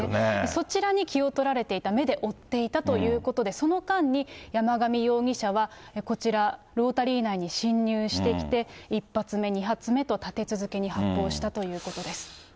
そちらに気を取られていた、目で追っていたということで、その間に、山上容疑者はこちら、ロータリー内に進入してきて、１発目、２発目と立て続けに発砲したということです。